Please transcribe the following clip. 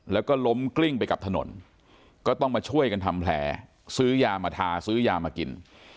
แล้วก็ล้มกลิ้งไปกับถนนก็ต้องมาช่วยกันทำแผลซื้อยามาทาซื้อยามากิน